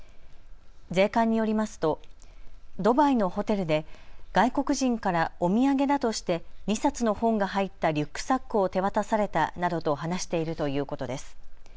税関によりますとドバイのホテルで外国人からお土産だとして２冊の本が入ったリュックサックを手渡されたなどと話しているということです。